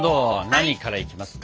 何からいきますか？